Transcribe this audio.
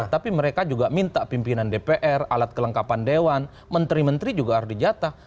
tapi mereka juga minta pimpinan dpr alat kelengkapan dewan menteri menteri juga harus dijatah